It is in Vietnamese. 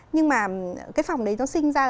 nhưng mà cái phòng đấy nó sinh ra